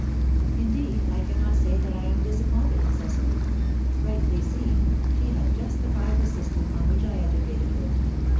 Indeed, I cannot say that I am disappointed in Cecily; rightly seen, she has justified the system on which I educated her.